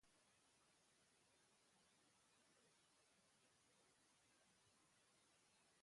Nobela berriz dator, eta ez da nobela beltza.